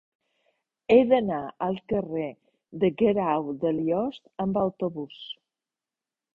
He d'anar al carrer de Guerau de Liost amb autobús.